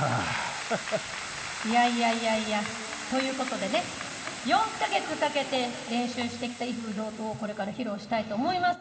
いやいやいやいやという事でね４カ月かけて練習してきた『威風堂々』をこれから披露したいと思います。